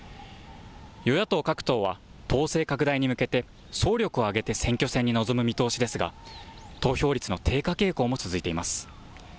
与野党各党は党勢拡大に向けて総力を挙げて選挙戦に臨む見通しですが投票率の低下傾向も続いています。